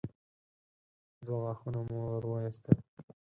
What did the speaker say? دوه غاښه مو ور وايستل.